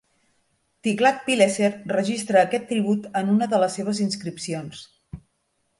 Tiglath-Pileser registra aquest tribut en una de les seves inscripcions.